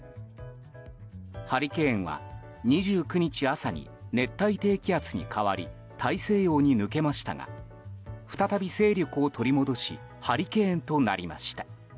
ハリケーンは２９日朝に熱帯低気圧に変わり大西洋に抜けましたが再び勢力を取り戻しハリケーンとなりました。